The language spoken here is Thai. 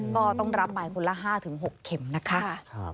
ก็ต้องรับหมายคุณละ๕ถึง๖เข็มนะคะ